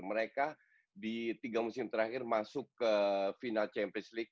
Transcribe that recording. mereka di tiga musim terakhir masuk ke final champions league